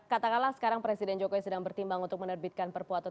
katakanlah sekarang presiden jokowi sedang bertimbang untuk menerbitkan perpuatan